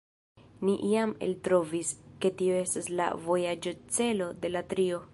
Ni jam eltrovis, ke tio estas la vojaĝocelo de la trio.